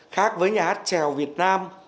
khác với nhà hát trèo việt nam